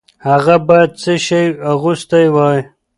هغه باید څه شی اغوستی وای؟